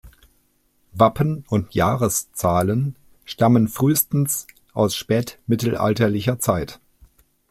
Wappen und Jahreszahlen stammen frühestens aus spätmittelalterlicher Zeit.